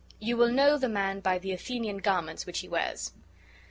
You will know the man ]by the Athenian garments which be wears."